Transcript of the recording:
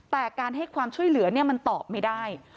แต่การให้ความช่วยเหลือมันตอบไม่ได้